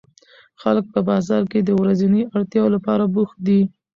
خلک په بازار کې د ورځنیو اړتیاوو لپاره بوخت دي